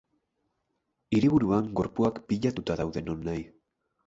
Hiriburuan gorpuak pilatuta daude nonahi.